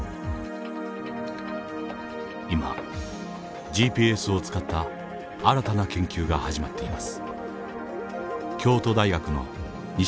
今ＧＰＳを使った新たな研究が始まっています。